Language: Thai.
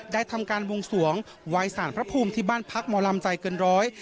ทำการวงสวงวายสารพระภูมิที่บ้านพักหมอลำใจเกินร้อย